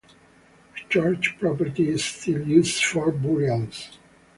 The church property is still used for burials.